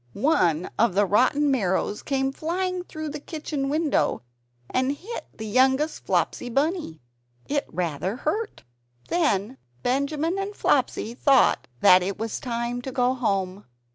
One of the rotten marrows came flying through the kitchen window, and hit the youngest Flopsy Bunny. It was rather hurt. Then Benjamin and Flopsy thought that it was time to go home.